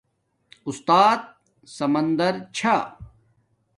استات سمندر چھا